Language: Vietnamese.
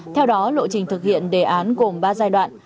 theo đó lộ trình thực hiện đề án gồm ba giai đoạn